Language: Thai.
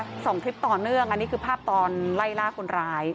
สองคลิปต่อเนื่องอันนี้คือภาพตอนไล่ล่าคนร้าย